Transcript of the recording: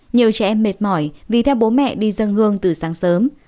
nhiều trẻ em mệt mỏi vì theo bố mẹ đi dân hương từ sáng sớm